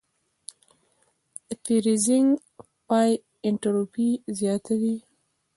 د فریزینګ پای انټروپي زیاتوي.